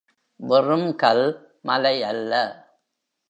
வெறும் கல் மலை அல்ல.